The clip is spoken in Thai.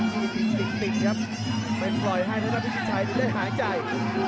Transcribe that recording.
กริมสิบปิดติดครับไปปล่อยให้กับพี่พีชชัยดูได้หายใจ